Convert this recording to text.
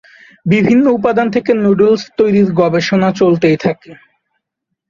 বিভিন্ন উপাদান থেকে নুডলস তৈরির গবেষণা চলতেই থাকে।